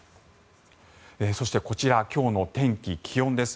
そして、こちら今日の天気、気温です。